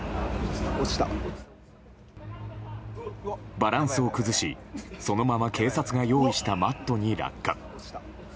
バランスを崩し、そのまま警察が用意したマットに落下。